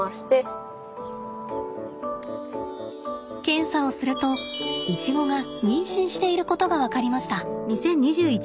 検査をするとイチゴが妊娠していることが分かりました。